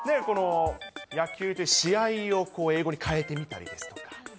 野球で試合を英語に変えてみたりですとか。